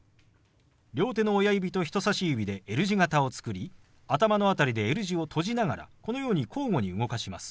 両手の親指と人さし指でＬ字型を作り頭の辺りでＬ字を閉じながらこのように交互に動かします。